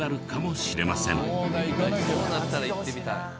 そうなったら行ってみたい。